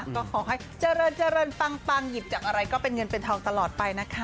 ก็ขอให้เจริญเจริญปังหยิบจากอะไรก็เป็นเงินเป็นทองตลอดไปนะคะ